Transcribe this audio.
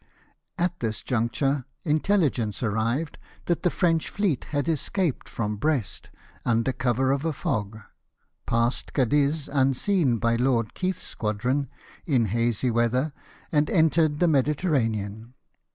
At this juncture intelligence arrived that the French fleet had escaped from Brest under cover of a fog, passed Cadiz unseen by Lord Keith's squadron, in hazy weather, and entered the Mediterranean.